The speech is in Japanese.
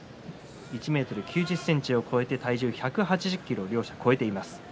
１ｍ９０ｃｍを超えて体重は１８０ｋｇ両者超えています。